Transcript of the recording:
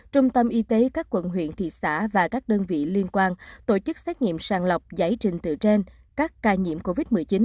trung tâm y tế các quận huyện thị xã và các đơn vị liên quan tổ chức xét nghiệm sàng lọc giải trình tự gen các ca nhiễm covid một mươi chín